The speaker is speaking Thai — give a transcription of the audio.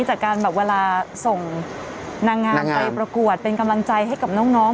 จากการแบบเวลาส่งนางงามไปประกวดเป็นกำลังใจให้กับน้อง